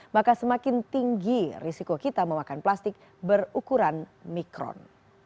maka semakin tinggi risiko kita memakan plastik berukuran mikron